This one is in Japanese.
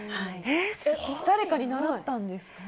誰かに習ったんですか？